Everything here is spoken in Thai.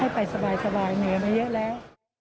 ไปสบายเหนื่อยมาเยอะแล้ว